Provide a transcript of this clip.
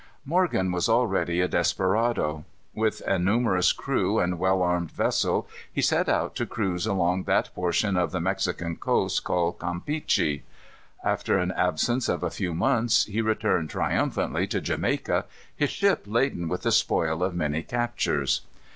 Morgan was already a desperado. With a numerous crew and a well armed vessel he set out to cruise along that portion of the Mexican coast called Campeachy. After an absence of a few months, he returned triumphantly to Jamaica, his ship laden with the spoil of many captures.